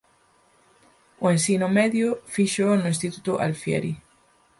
O ensino medio fíxoo no instituto Alfieri.